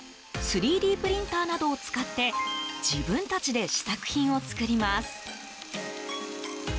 ３Ｄプリンターなどを使って自分たちで試作品を作ります。